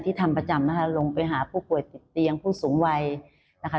ทำประจำนะคะลงไปหาผู้ป่วยติดเตียงผู้สูงวัยนะคะ